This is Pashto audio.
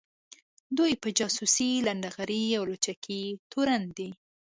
دوی په جاسوۍ ، لنډغري او لوچکۍ تورن دي